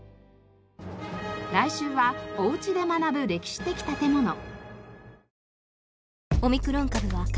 来週はおうちで学ぶ歴史的建物。